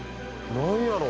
「なんやろ？」